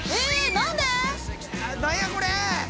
何やこれ！？